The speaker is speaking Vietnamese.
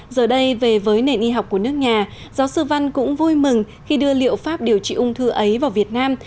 giờ đây về với nền y học của nước nhà giáo sư văn cũng vui mừng khi đưa liệu pháp điều trị ung thư ấy vào việt nam